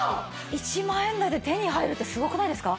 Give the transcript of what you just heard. １万円台で手に入るってすごくないですか？